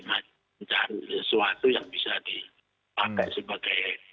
mencari sesuatu yang bisa dipakai sebagai